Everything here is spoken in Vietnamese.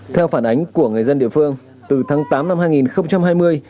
theo phản ánh của người dân địa phương từ tháng tám năm hai nghìn hai mươi